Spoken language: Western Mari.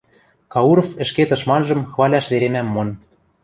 Кауров ӹшке тышманжым хваляш веремӓм мон.